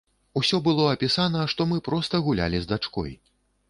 Усё было апісана, што мы проста гулялі з дачкой.